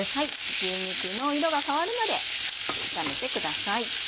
牛肉の色が変わるまで炒めてください。